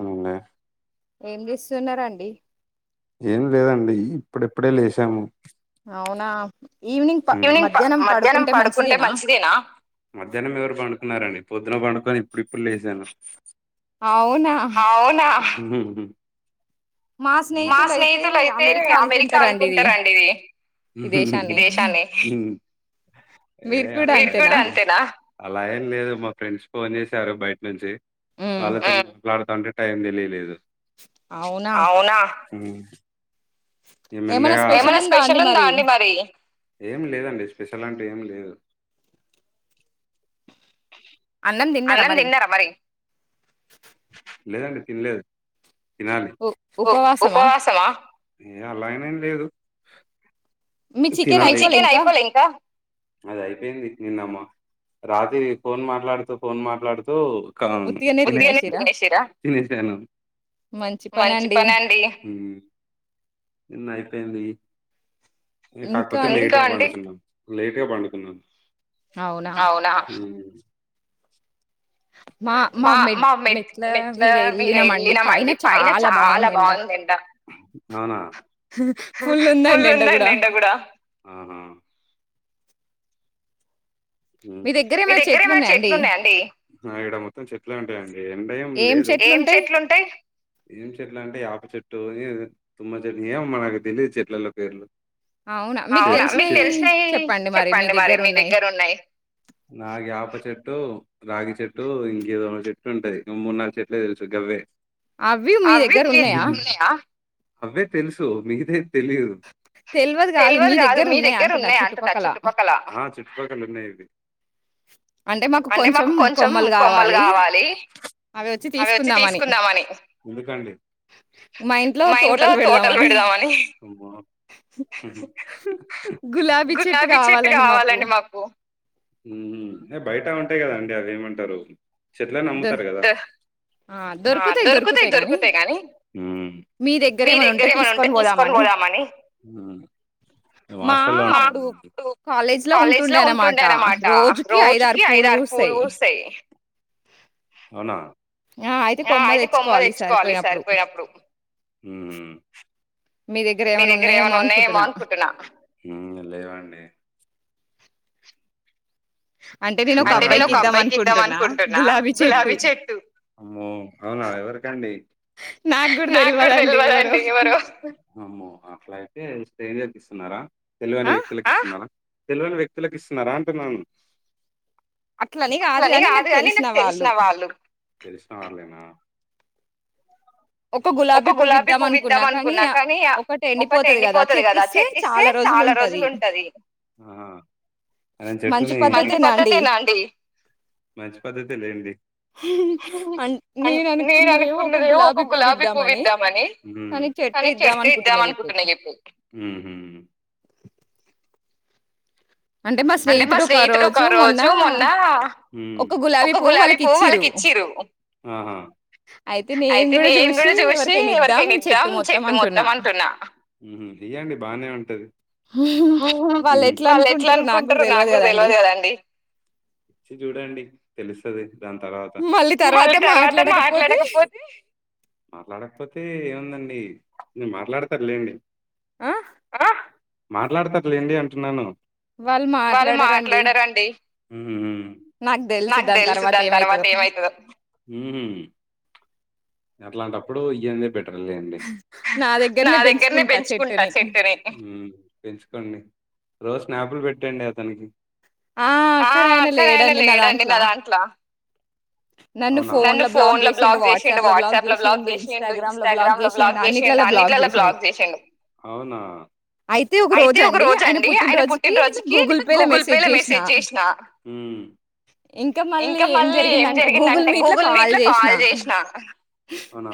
అవున్లే ఏం చేస్తున్నారాండి ఏం లేదండి ఇప్పుడెప్పుడే లేసాము అవునా ఈవినింగ్ ప మధ్యాహ్నం పడుకుంటే మంచిదేనా మధ్యాన ఎవరు పండు అన్నారండి పొద్దున పండుకొని ఇప్పుడిప్పుడే లేసాను అవునా ఉ హ్మ్ మా స్నేహితులు అయితే అమెరికా అనుకుంటారండి ఇది హ్మ్ ఈ దేశాన్ని ఏ మీకు కుడా అంతేనా అలా ఏం లేదు మా ఫ్రెండ్స్ ఫోన్ చేసి వచ్చారు బయట నుంచి వాళ్ళ వాళ్ళకంటే టైం తెలియలేదు అవునా హ ఏమైనా స్పెషల్ ఉందా అండి మరి ఏం లేదండి స్పెషల్ ఏం లేదు అన్నం తిన్నారా మరి లేదండి తినలేదు తినాలి ఉ ఉపవాసమా ఏ అలాగనేం లేదు తినాలి మీ చికెన్ అయిపోలే ఇంకా మాది అయిపోయింది నిన్నమ్మ రాత్రి ఫోన్ మాట్లాడుతూ ఫోన్ మాట్లాడుతూ క ఉత్తిగానేతినెషిరా తినేసాను మంచి పని అండి హ్మ్ నిన్న అయిపోయింది ఇంకాండీ కాకపోతే లేట్ గా పండుకున్నాం లేట్ గా పండుకున్నాం అవునా హ్మ్ మా మా మెట్ మెట్ల మీద వెళ్ళినామండి పైన చాలా బాగుంది ఎండ అవునా ఫుల్ ఉందండి ఎండ కూడా హ్మ్ మీ దగ్గర ఏమైనా చెట్లున్నాయండి ఇడ మొత్తం చెట్లు ఉంటాయండి ఎండ ఏం లేదు ఏం చెట్లుంటాయి ఏం చెట్లు అంటే ఎప చెట్టు అ తుమ్మ చెట్టు ఏం మనకు తెలిదు చెట్లలో పేర్లు అవునా మీకు తెలిసినావి చెప్పండి మరి మీ దగ్గర ఉన్నాయి నాకు ఎప చెట్టు రాగి చెట్టు ఇంకేదో చెట్టు ఉంటాదింకా మూడు నాలుగు చెట్లే తెలుసు అవ్వే అవి మీకు ఉన్నాయా అవే తెలుసు మీగత తెలిదు తెల్వదు కాదు మీ దగ్గర ఉన్నాయ అంటున్న చుట్టుపక్కల చుట్టుపక్కల ఉన్నాయి అవి అంటే మాకు కొంచెం కొమ్మలు కావాలి అది వచ్చి తీసుకుందామని ఎందుకండి మా ఇంట్లో తోటలు పెడదామని అమ్మ గులాబీ చెట్టు కావాలండి మాకు ఉహు బయట ఉంటాయి కదా అండి అవి ఏమంటారు చెట్లను అమ్ముతారు కదా ఆ దొరుకుతాయి దొరుకుతాయీ గానీ మీ దగ్గర ఏమన్నుంటే తీస్కొని పోదామని నువ్ హాస్టల్ డూ కాలేజ్ లో ఉంటుండే అనమాట రోజుకి ఐదారు పూలు పూస్తయ్ అవున ఆ అయితే కొమ్మ దెచ్చుకోవాలి ఈసారి పోయినప్పుడు మీ దగ్గర ఏమైనా ఉన్నాయేమో అనుకుంటున్నా, లేవండి అంటే నేనొక అబ్బాయికి ఇద్దాం అనుకుంటున్నా గులాబీ చెట్టు ఓహ్ అవునా ఎవరికండి హా నాకు గూడా తెలువదండి ఎవరో ఉహు తెలిందే ఇస్తున్నారా తెలివైన వ్యక్తులకి ఇస్తున్నారా తెలివైన వ్యక్తులకి ఇస్తున్నారా అంటున్నాను అట్లని గాదుగాని ఇగ తెల్సిన వాళ్ళు ఒక గులాబీ పువ్విదాం అనుకున్నా కానీ ఆ ఒకటి ఎండిపోతది గదా చెట్టిస్తే చాలా క్వ రోజులుంటది మంచి పద్ధతేనా అండి. మంచి పద్ధతే లేండి. మీరు అనుకున్నది ఏమో ఒక గులాబీ పువ్ ఇద్దామని కానీ చెట్టే ఇద్దాం అనుకుంటున్న ఇపు అంటే మా స్నేహితుడు ఒక రోజు మొన్న ఒక గులాబీ పువ్వు వాళ్ళకి ఇచ్చిరు అయితే నేన్ గూడా జూశి ఎవరికైని ఇద్దాం చెట్టు మొత్తం అంటున్నా ఇయ్యండి బానే ఉంటది ఎట్ల అనుకుంటరో నాక్ గూడా తెల్వదు కదండి. మళ్ళీ తర్వాత మాట్లాడకపోతే మాట్లాడకపోతే ఏముందండి నే మాట్లాడ్తారు లేండి మాట్లాడుతార్లేండి అంటున్నాను. నాక్ దెల్సు దాన్ తర్వాత ఏమైతదో అట్లాంటప్పుడు ఇయ్యందే బెటర్లేండి నా దగ్గర్నే బెంచుకుంటా చెట్టుని స్నాపులు బెట్టండి అతనికి నన్ను ఫోన్లా బ్లాక్ జేశిండు వాట్సాప్లా బ్లాక్ జేశిండు ఇన్స్టాగ్రామ్ లో బ్లాగ్ జేశిండు అన్ని అన్నిట్లల్లా బ్లాక్ జేశిండు అయితే ఒక రోజండి. పుట్టిన రోజుకి నేను గూగుల్ పే లో మెసేజ్ జేశ్నా ఇంక మళ్ళీ ఏం జరిగిందంటే గూగుల్ మీట్ లో కాల్ జేశ్నా అవున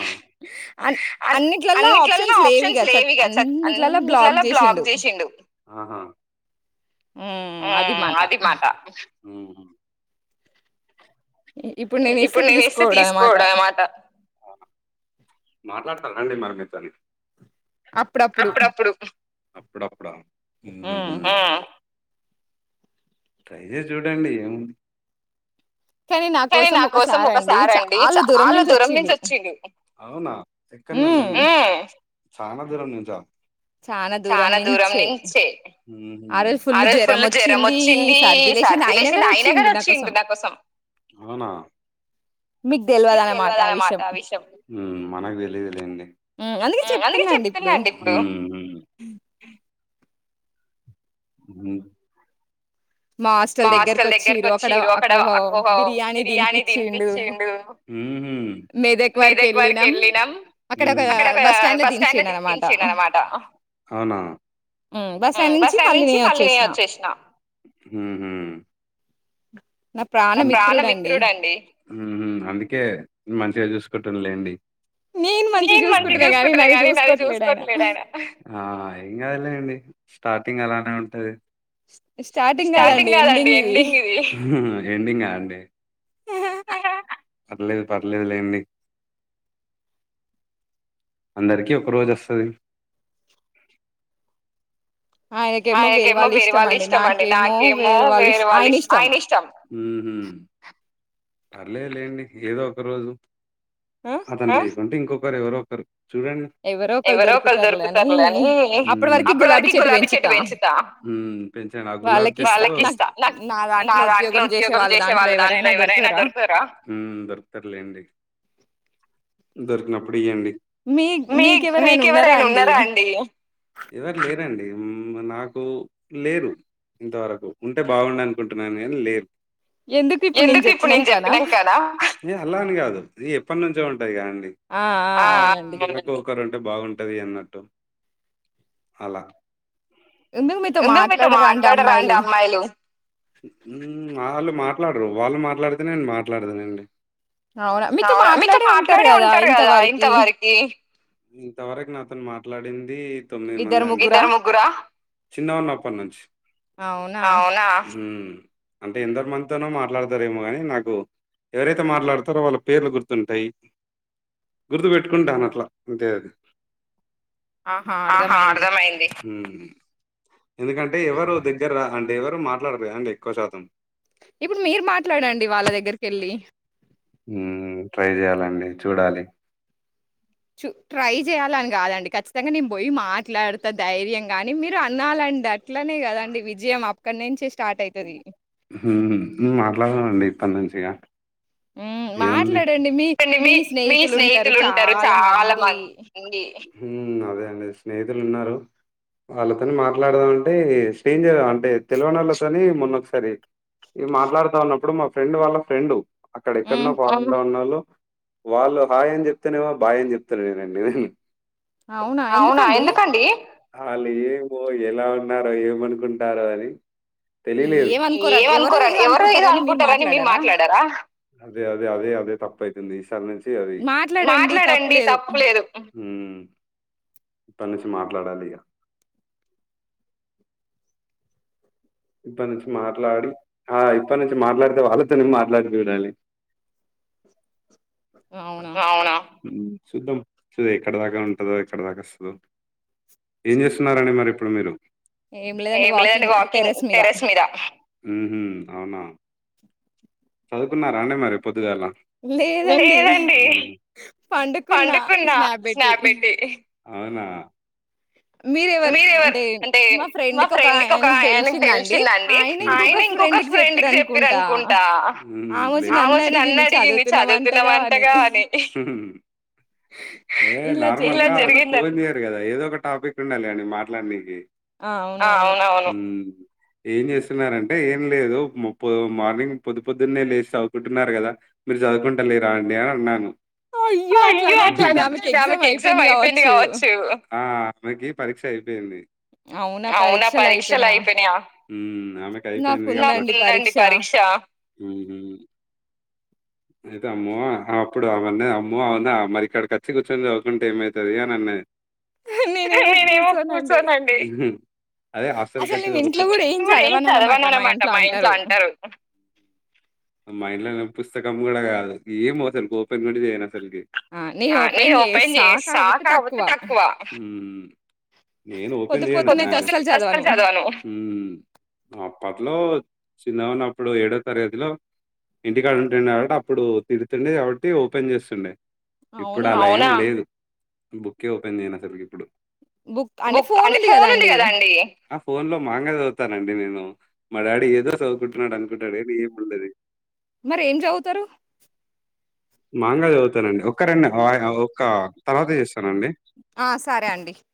ఆన్ అన్నిట్లల్ల ఆప్షన్స్ లేవిగా సక్ అన్నిట్లలో బ్లాక్ జేసిండు ఆహా ఉమ్మ్ అది మాట ఇప్పుడు నేను ఇస్తే తీస్కోడన్ మాట రండి మరీ మీతోని అప్పుడప్పుడు ఉమ్ ట్రై జేశి జూడండి ఏముంద్ కానీ నా కోసం ఒకసారి అండి చాలా దూరం నుంచ్ వొచ్చిండు. ఉమ్ చాలా దూరం నుంచే ఆ రోజు ఫుల్లు జ్వరం ఒచ్చింది వదిలేసిండు అయిన కూడా వచ్చిండు నా కోసం మీక్ దెల్వదన్నమాట ఆ విషయం మ్ అందుకే చెప్తున్నా అండి ఇప్పుడు ఉ మా హాస్టల్ దగ్గరుకు వొచ్చిర్రు అక్కడ అక్ ఒక బిర్యానీ దిన్పిచ్చిండు. మెదక్ వారికి వెళ్ళినం అక్కడ ఒక బస్ స్టాండ్ ల దించిండన్నమాట బస్టాండ్ నుంచి మళ్ళీ నే వచ్చేసినా ఉహు నా ప్రాణమిత్రుడు అండి అందుకే మంచిగా చూసుకుంటున్నాండి ని నేను మంచిగా చూసుకుంటున్నా గానీ అది చూసుకోట్లేడు ఆయన ఆ ఏం గాదులెండి. ఇంగ అలానే ఉంటది స్టార్టింగ్ కాదండి ఎండింగ్ ఇది ఎండింగ అండి పర్లేదు పర్లేదు లేండి అందరికిీ ఒక రోజు వస్తది. ఆయనకేమో వేరే వాళ్ళు ఇష్టం అండి. నాకేమో వేరే వాళ్ళు ఇష్ ఆయన ఇష్టం ఉ పర్లేదులేండి ఏదో ఒక రోజు అతను తీసుకుంటే ఇంకొకరు ఎవరో ఒకరు చూడండి ఎవరో ఒకరు దొరుకుతారులేని అప్పటి వరకు గులాబీ చెట్టు పెంచుతా. వాళ్ళకి ఇస్తా నా దాంట్లో ఉద్యోగం చేసే వాళ్ళ దాంట్లో ఎవరైనా దొరుకుతారా దొరుకుతారులేండి దొరికినప్పుడు ఇయ్యండి మీ మీకెవరైనా ఉన్నరా అండి సరే అండి నాకు లేరు ఇంతవరకు ఉంటే బాగుండ అనుకుంటున్నాను అని లేరు ఎందుకు ఇప్పుడు నేను చె డు నేను చెప్పినంకాన అల్లా అని కాదు ఇది ఎప్పటి నుంచో ఉ ఉంటది గ అండి ఆ ఆ కుక్కరు ఉంటే బాగుంటది అన్నట్టు అలా ఎందు మీతో మాట్లాడరా అండి అమ్మాయిలు ఉ మాట్లాడరు వాళ్ళు మాట్లాడితే నే మాట్లాడతనండి అవునా మీతో మాట్లాడే ఉంటరు కదా ఇంత వరకి ఇంతవరకు నాతోని మాట్లాడింది తొమ్మిది మంది ఇద్దరు ముగ్గురా చిన్నగ ఉన్నప్పటి నుంచి అవునా అంటే ఎందరు మందితోనో మాట్లాడతారేమో గాని నాకు ఎవరైతే మాట్లాడుతారో వాళ్ళ పేర్లు గుర్తుంటాయి. గుర్తు పెట్టుకుంటాను అట్లా అంతే అది ఆహా అర్థమయింది. ఉ ఎందుకంటే ఎవరు దగ్గర అంటే ఎవరు మాట్లాడరా అండి ఎక్కువ శాతం ఇప్పుడు మీరు మాట్లాడండి వాళ్ళ దగ్గరికి వెళ్ళి ఉహు ట్రై చెయాలండి చూడాలి ట్రై చేయాలని కాదండి. ఖచ్చితంగా నేను పోయి మాట్లాడతా ధైర్యం కాని మీరు అనాలండి. అట్లనే కదండి విజయం అక్కడి నుంచే స్టార్ట్ అయితది హు మాట్లాడదానండి ఇప్పటి నుంచిగా ఏంది మీ మీ స్నేహితులు ఉంటరు చాలా మంది హూ అదే అండి స్నేహితులు ఉన్నారు వాళ్ళతోని మాట్లాడదాం అంటే స్టేంజర్ అంటే తెలివణ వాళ్ళతోని మొన్నొ ఒకసారి మాట్లాడుతా ఉన్నప్పుడు మా ఫ్రెండ్ వాళ్ళ ఫ్రెండ్ అక్కడ ఎక్కడనో పోగు ఉన్నా వాళ్ళు హాయ్ అని చెప్తనేమో బాయ్ అని చెప్తలేనండి అవునా ఎందుకండి వాళ్ళు ఏమో ఎలా ఉన్నారో ఏమనుకుంటారో అని తెలిలేదు ఏమనుకోరని ఎవరు ఏదో అనుకుంటారని మీరు మాట్లాడరా అదే అదే అదే అదే అప్పైపోయింది ఈసార్ నుంచి అది మ్ ఇప్పన్నుంచి మాట్లాడాలిగ ఇప్పడ్ నుంచి మాట్లాడి ఆ ఇప్పడ్ నుంచి మాట్లాడితే వాళ్ళతూనే మాట్లాడి చూడాలి. ఆ అవునా సూద్దం అసల్ ఎక్కడ్ దాక ఉంటదో ఎక్కడ్ దాక అస్తదో ఏం చేస్తున్నారండి మరిప్పుడు మీరు ఏం లేదం వాకింగ్ టెర్రస్ మీద మ్ హ్ అవునా సదుకున్నరా అండి మరి పొద్దుగాల లేదండీ. డి పండుకున్న స్నాప్ బెట్టి మీరెవర్ అంటే మా ఫ్రెండ్క్ ఒక ఆయనక్ తెల్సిందండి ఆయనే ఇంకొక ఫ్రెండ్క్ చెప్పిర్ అన్కుంటా ఆమొచ్చి నన్ అడ్గింది చదువుతున్నవంటగా అని ఏ నార్మల్గా అసల్ పోన్ చెయ్యరు గదా ఏదో ఒక టాపిక్ ఉండాల్లే అండి మాట్లాడ్నీకీ మ్ ఏం చేస్తున్నారంటే ఏం లేదు మ్ పో మార్నింగ్ పొద్దు పొద్దున్నే లేస్ సదువుకుంటున్నార్ గదా మీర్ సదుకుంటలేరా అండి అన్ అన్నాను. అయ్యో అట్ల అనొద్దు ఆమెక్ ఎగ్జామ్ అయిపోయింది గావచ్చు. ఆ ఆమెకి పరీక్ష అయిపోయింది. అవునా పరీక్షల్ అయిపోయినయ నాకుందండి పరీక్ష. మ్ హ్ అయితే అమ్మో ఆ అప్పుడు ఆమన్నది అమ్మో అవునా మరిక్కడకచ్చి కూర్చొని చదువుకుంటే ఏమైతది అని అన్నది. అదే హాస్టల్కచ్చి సదుకో మా ఇంట్ల నేన్ పుస్తకం గుడ కాదు ఏమో అసల్క్ ఒపెన్ కూడ చేయన ఆ నేన్ ఓపెన్ చేస్తా కాక్పోతే తక్కువా నేను ఓపెన్ చెయ్యనా మ్ అప్పట్లో చిన్నగున్నప్పుడు ఏడో తర్గతిలో ఇంటికాడ ఉంటుండె కాబట్టి అప్పుడు తిడ్తుండే కాబట్టి ఓపెన్ చేస్తుండే ఇప్పుడు అలా ఏం లేదు బుక్కే ఓపెన్ చేయన్ అసల్కి ఇప్పుడు బుక్ అంటే ఫోన్ ఉంది గదా అండి ఆ ఫోన్లో మాంగా సదుతానండి నేను మా డాడీ ఏదో చదుకుంటున్నాడ్ అన్కుంటాడ్ గాని ఏం ఉండది. మరేం చవుతరు? మాంగా చదుతానండి ఒక్క రెండు ఆ ఒక్క తర్వాత చేస్ ఆ సరే అండి.